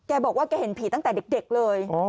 แกบอกว่าแกเห็นผีตั้งแต่เด็กเลย